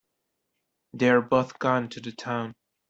They’re both gone to the town.